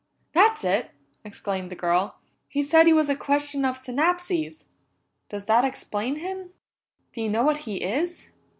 "That's it!" exclaimed the girl. "He said he was a question of synapses. Does that explain him? Do you know what he is?"